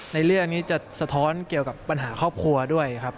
ในเรื่องนี้จะสะท้อนเกี่ยวกับปัญหาครอบครัวด้วยครับ